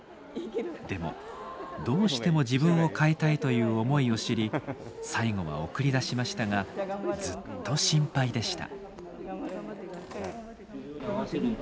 でもどうしても自分を変えたいという思いを知り最後は送り出しましたがずっと心配でした。